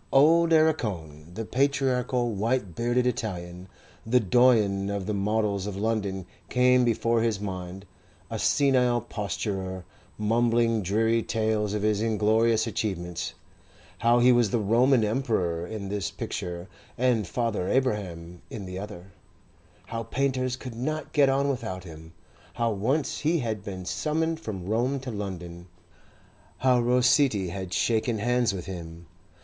Old Erricone, the patriarchal, white bearded Italian, the doyen of the models of London, came before his mind, a senile posturer, mumbling dreary tales of his inglorious achievements: how he was the Roman Emperor in this picture and Father Abraham in the other; how painters could not get on without him; how once he had been summoned from Rome to London; how Rossetti had shaken hands with him.